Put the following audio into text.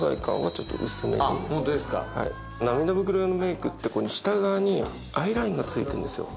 涙袋用のメイクって下側にアイラインが付いてるんですよ。